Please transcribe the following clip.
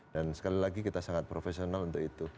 dan sekali lagi kita sangat profesional untuk itu